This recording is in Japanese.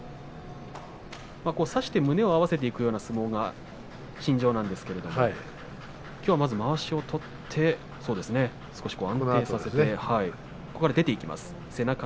差して胸を合わせていくような相撲が身上なんですけれどもきょうは、まわしを取って安定させて出ていきます。